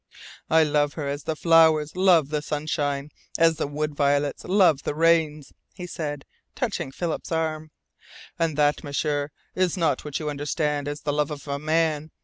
"I love her as the flowers love the sunshine, as the wood violets love the rains," he said, touching Philip's arm. "And that, M'sieur, is not what you understand as the love of a man.